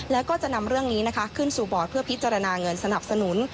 แล้วก็จะนำเรื่องนี้นะคะขึ้นสู่บอร์ดเพื่อพิจารณาเงินสนับสนุน